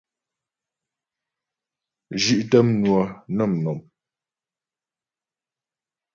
Zhí'tə mnwə nə mnɔ̀m.